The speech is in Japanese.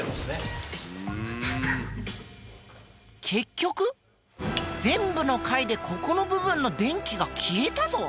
結局全部の階でここの部分の電気が消えたぞ！